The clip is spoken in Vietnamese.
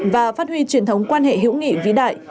và phát huy truyền thống quan hệ hữu nghị vĩ đại